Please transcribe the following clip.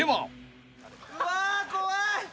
うわ怖い！